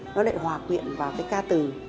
nó lại hòa quyện vào cái ca từ